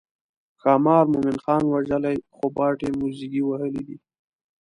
ښامار مومن خان وژلی خو باټې موزیګي وهلي دي.